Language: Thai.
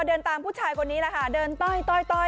เดินตามผู้ชายคนนี้แหละค่ะเดินต้อย